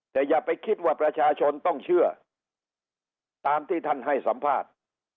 แต่อย่าไปคิดว่าประชาชนต้องเชื่อตามที่ท่านให้สัมภาษณ์